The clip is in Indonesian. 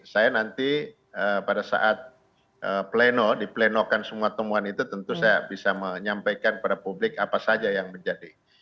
saya nanti pada saat pleno diplenokan semua temuan itu tentu saya bisa menyampaikan kepada publik apa saja yang menjadi